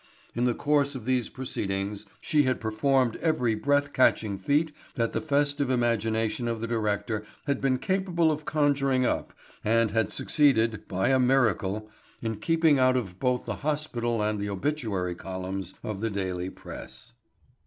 In the course of these proceedings she had performed every breath catching feat that the festive imagination of the director had been capable of conjuring up and had succeeded, by a miracle, in keeping out of both the hospital and the obituary columns of the daily press.